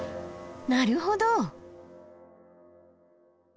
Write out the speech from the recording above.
なるほど！